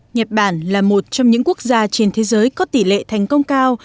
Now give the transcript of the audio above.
nhật bản là một trong những quốc gia trên thế giới có tỷ lệ thành công cao